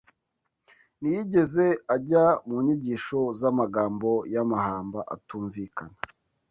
Ntiyigeze ajya mu nyigisho z’amagambo y’amahamba atumvikana